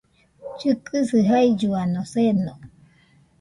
Llɨkɨsi jailluano seno